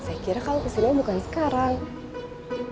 saya kira kamu kesini bukan sekarang